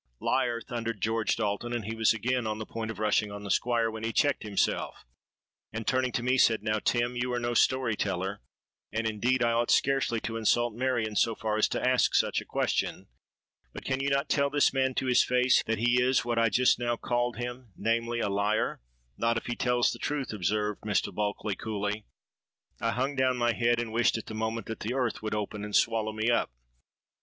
'—'Liar!' thundered George Dalton; and he was again on the point of rushing on the Squire, when he checked himself, and turning to me said, 'Now, Tim, you are no story teller; and, indeed, I ought scarcely to insult Marion so far as to ask such a question. But can you not tell this man to his face that he is what I just now called him; namely, a liar?'—'Not if he tells the truth,' observed Mr. Bulkeley coolly.—I hung down my head, and wished at the moment that the earth would open and swallow me up.